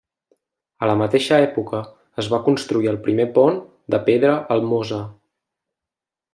A la mateixa època es va construir el primer pont de pedra al Mosa.